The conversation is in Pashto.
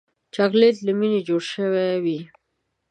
چاکلېټ له مینې جوړ شوی وي.